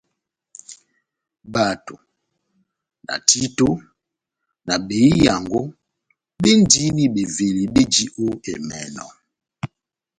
Bato, na títo, na behiyango béndini beveli béji ó emɛnɔ.